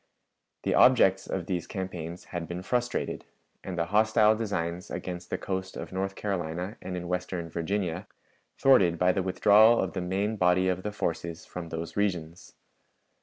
The objects of those campaigns had been frustrated, and the hostile designs against the coast of North Carolina and in western Virginia, thwarted by the withdrawal of the main body of the forces from those regions.